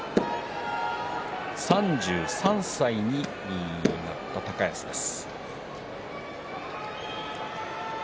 ３３歳になった高安です。